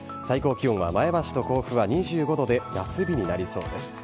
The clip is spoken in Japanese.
最高気温は前橋と甲府は２５度で夏日になりそうです。